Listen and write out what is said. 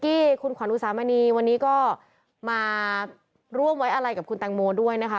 ที่คุณขวัญอุสามณีวันนี้ก็มาร่วมไว้อะไรกับคุณแตงโมด้วยนะคะ